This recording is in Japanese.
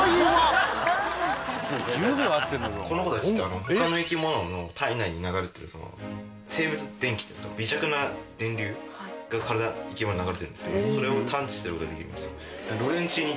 この子たちって他の生き物の体内に流れてる生物電気微弱な電流が生き物に流れてるんですけどそれを探知することができるんですよ。